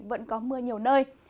vẫn có mưa nhiều nơi